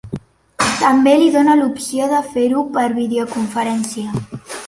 També li dóna l’opció de fer-ho per videoconferència.